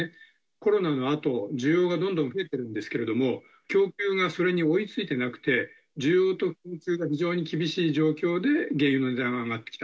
コロナのあと、需要がどんどん増えてるんですけれども、供給がそれに追いついてなくて、需要と供給が非常に厳しい状況で、原油の値段が上がってきた。